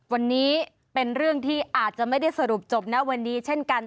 วันนี้เป็นเรื่องที่อาจจะไม่ได้สรุปจบนะวันนี้เช่นกัน